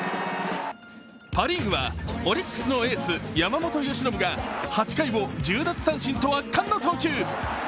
パ・リーグはオリックスのエース・山本由伸が８回を１０奪三振と圧巻の投球。